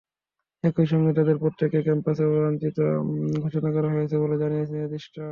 একই সঙ্গে তাঁদের প্রত্যেককে ক্যাম্পাসে অবাঞ্ছিত ঘোষণা করা হয়েছে বলে জানিয়েছেন রেজিস্ট্রার।